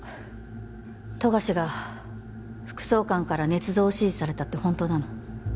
富樫が副総監から捏造を指示されたって本当なの？